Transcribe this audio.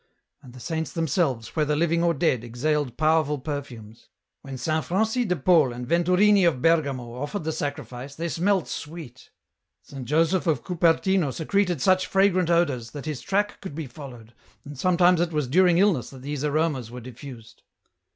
"And the Saints themselves, whether living or dead, exhaled powerful perfumes. " When Saint Francis de Paul and Venturini of Bergamo offered the Sacrifice they smelt sweet. Saint Joseph of Cupertino secreted such fragrant odours that his track EN ROUTE. 223 could be followed , and sometimes it was during illness that these aromas were diffused.